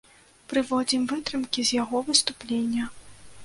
Прыводзім вытрымкі з яго выступлення.